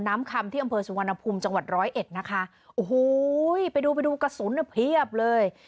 คำที่อำเภอสุวรรณภูมิจังหวัดร้อยเอ็ดนะคะโอ้โหไปดูไปดูกระสุนเนี่ยเพียบเลย